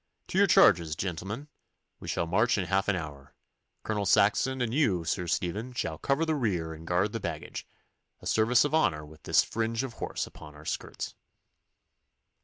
To your charges, gentlemen. We shall march in half an hour. Colonel Saxon and you, Sir Stephen, shall cover the rear and guard the baggage a service of honour with this fringe of horse upon our skirts.